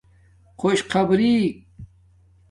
خݸش خبرݵک